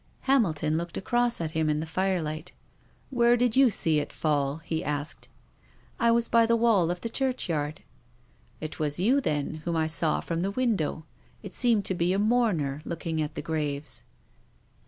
Hamilton looked across at him in the firelight. " Where did you see it fall?" he asked. " I was by the wall of the churchyard." " It was you, then, whom I saw from the win dow. It seemed to be a mourner looking at the graves."